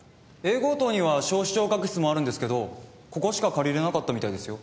Ａ号棟には小視聴覚室もあるんですけどここしか借りられなかったみたいですよ。